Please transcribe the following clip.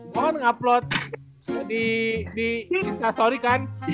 gua kan ngeupload di instastory kan